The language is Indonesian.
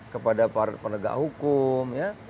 kepada para penegak hukum ya